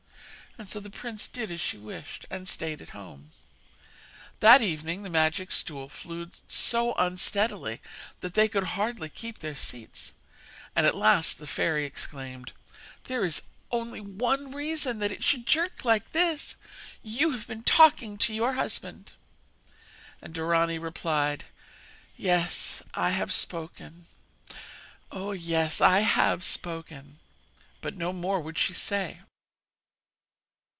And so the prince did as she wished, and stayed at home. That evening the magic stool flew so unsteadily that they could hardly keep their seats, and at last the fairy exclaimed: 'There is only one reason that it should jerk like this! You have been talking to your husband!' And Dorani replied: 'Yes, I have spoken; oh, yes, I have spoken!' But no more would she say.